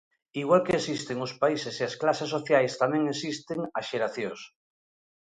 Igual que existen os países e as clases sociais tamén existen as xeracións.